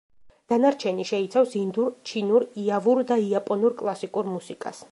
დანარჩენი შეიცავს ინდურ, ჩინურ, იავურ და იაპონურ კლასიკურ მუსიკას.